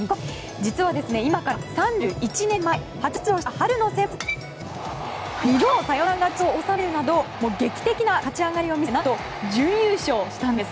実は、今から３１年前初出場した春のセンバツで２度のサヨナラ勝ちを収めるなど劇的な勝ち上がりを見せ何と、準優勝したんです。